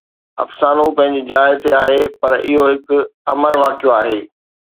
افسانو پنهنجي جاءِ تي آهي، پر اهو هڪ امر واقعو آهي